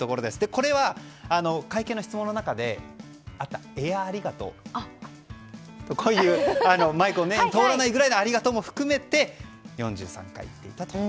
これは会見の質問の中で言ったエアありがとうマイクに通らないぐらいのありがとうも含めて４３回言っていたと。